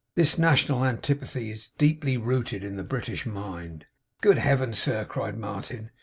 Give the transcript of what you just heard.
This national antipathy is deeply rooted in the British mind!' 'Good Heaven, sir,' cried Martin.